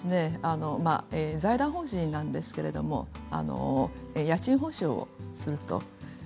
財団法人なんですけど家賃保証をすると。